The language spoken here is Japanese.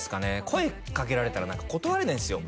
声かけられたら何か断れないんすよ